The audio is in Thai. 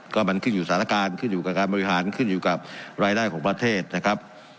ก็มันขึ้นอยู่สถานการณ์ขึ้นอยู่กับการบริหารขึ้นอยู่กับรายได้ของประเทศนะครับ